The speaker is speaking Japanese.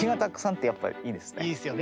いいですよね。